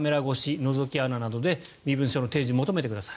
のぞき穴などで身分証の提示を求めてください。